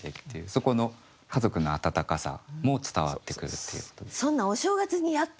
そこの家族の温かさも伝わってくるっていう。